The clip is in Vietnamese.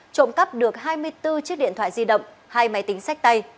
trộm cắp được hai mươi bốn chiếc điện thoại di động hai máy tính sách tay